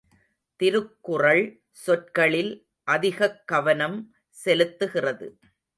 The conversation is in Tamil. திருக்குறள், சொற்களில் அதிகக் கவனம் செலுத்துகிறது.